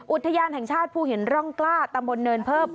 อุทยานแห่งชาติภูหินร่องกล้าตำบลเนินเพิ่ม